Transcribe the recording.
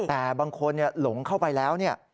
แต่บางคนหลงเข้าไปแล้วเนี่ย